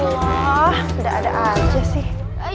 udah ada aja sih